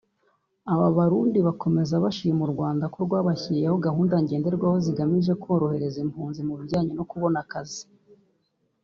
Aba Barundi bakomeza bashima ko u Rwanda rwabashyiriyeho gahunda ngenderwaho zigamije korohereza impunzi mu bijyanye no kubona akazi